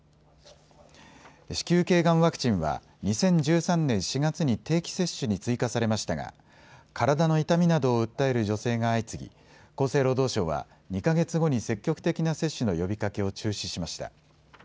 子宮けいがんワクチンは２０１３年４月に定期接種に追加されましたが体の痛みなどを訴える女性が相次ぎ、厚生労働省は２か月後に積極的な接種の呼びかけを中止しました。